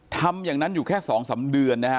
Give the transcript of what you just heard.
ทำอย่างนั้นอยู่แค่สองสามเดือน